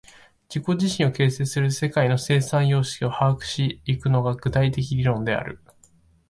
自己自身を形成する世界の生産様式を把握し行くのが、具体的論理である。